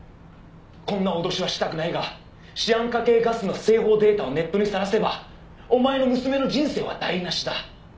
「こんな脅しはしたくないがシアン化系ガスの製法データをネットにさらせばお前の娘の人生は台無しだ」